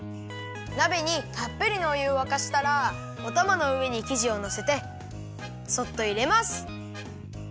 なべにたっぷりのおゆをわかしたらおたまのうえにきじをのせてそっといれます。